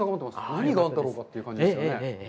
何があるんだろうかという感じですよね。